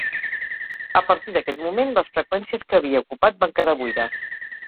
A partir d’aquell moment, les freqüències que havia ocupat van quedar buides.